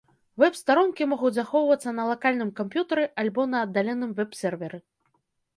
Вэб-старонкі могуць захоўвацца на лакальным камп'ютары альбо на аддаленым вэб-серверы.